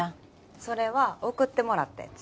それは送ってもらったやつ